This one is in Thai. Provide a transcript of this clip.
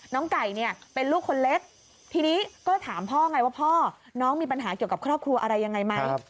ไก่เนี่ยเป็นลูกคนเล็กทีนี้ก็ถามพ่อไงว่าพ่อน้องมีปัญหาเกี่ยวกับครอบครัวอะไรยังไงไหม